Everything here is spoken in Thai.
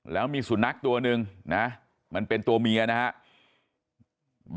แล้วมีสุนัขตัวหนึ่งนะมันเป็นตัวเมียนะครับ